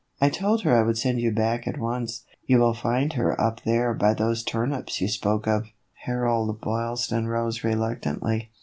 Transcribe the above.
I told her I would send you back at once. You will find her up there by those tur nips you spoke of." Harold Boylston rose reluctantly.